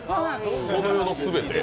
この世の全て？